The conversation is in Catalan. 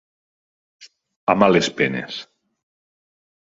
A males penes.